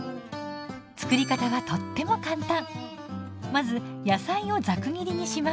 つくり方はとっても簡単！